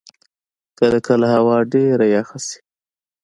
کله کله هوا ډېره یخه شی.